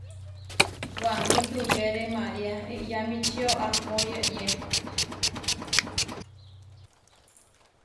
Waní tuyére María Iʼyamíčio ahpó yeyé.